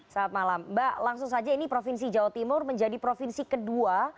selamat malam mbak langsung saja ini provinsi jawa timur menjadi provinsi kedua